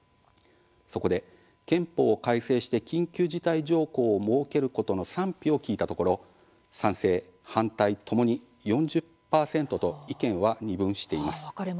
そこで憲法を改正して緊急事態条項を設けることの賛否を聞いたところ「賛成」「反対」ともに４０％と意見は二分しています。